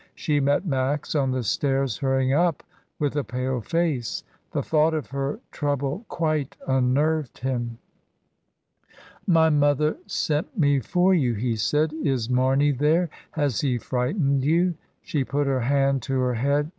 She met Max on the stairs hurrying up with a pale face; the thought of her trouble quite unnerved him. "My mother sent me for you," he said. "Is Marney there? Has he frightened you?" She put her hand to her head.